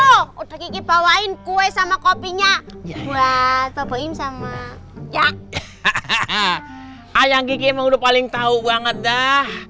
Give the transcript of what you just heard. toh udah kiki bawain kue sama kopinya buat oboim sama ya hahaha ayam kiki mau paling tahu banget dah